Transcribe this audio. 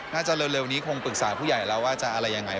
น่าจะเร็วนี้คงปรึกษาผู้ใหญ่แล้วว่าจะอะไรยังไง